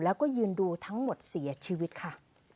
แล้วก็ยืนดูทั้งหมดเสียชีวิตค่ะ